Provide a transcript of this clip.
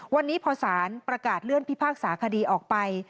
วันนี้พอสารประกาศเลื่อนพิพากษาคดีออกไป